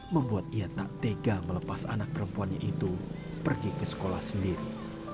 membuat ia tak tega melepas anak perempuannya itu pergi ke sekolah sendiri